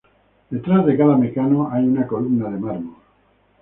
Detrás de cada Mecano hay una columna de mármol.